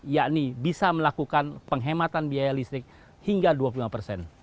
yakni bisa melakukan penghematan biaya listrik hingga dua puluh lima persen